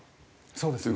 そうですね。